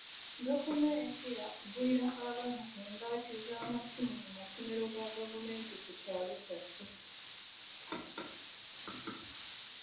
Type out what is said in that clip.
Gavumenti yaakugulira baana embaati z'amasimu mu masomero ga gavumenti ku kyalo kyaffe.